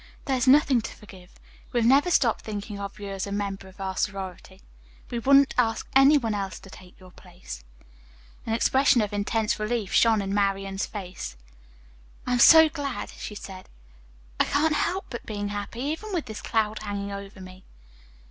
There is nothing to forgive. We have never stopped thinking of you as a member of our sorority. We wouldn't ask any one else to take your place." An expression of intense relief shone in Marian's face. "I am so glad," she said. "I can't help being happy, even with this cloud hanging over me."